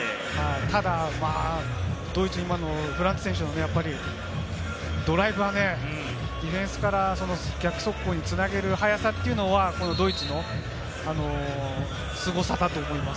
ただ、ドイツ、今のフランツ選手はね、ドライブはね、ディフェンスから逆速攻に繋げる速さというのはドイツのすごさだと思います。